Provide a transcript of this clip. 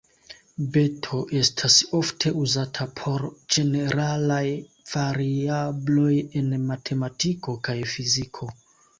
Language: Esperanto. Beto estas ofte uzata por ĝeneralaj variabloj en matematiko kaj fiziko.